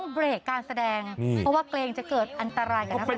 เพราะว่าเกรงจะเกิดอันตรายกับนักแสดง